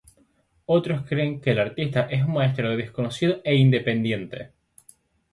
Otros creen que el artista es un maestro desconocido e independiente.